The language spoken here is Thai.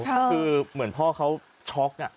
คือเหมือนพ่อเค้าช็อกอ่ะ